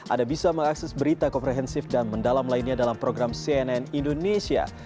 anda bisa mengakses berita komprehensif dan mendalam lainnya dalam program cnn indonesia